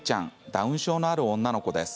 ダウン症のある女の子です。